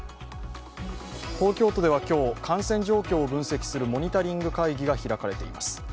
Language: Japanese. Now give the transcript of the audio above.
東京都では今日、感染状況を分析するモニタリング会議が開かれています。